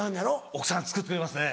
奥さん作ってくれますね